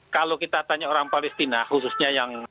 kalau kita tanya orang palestina khususnya yang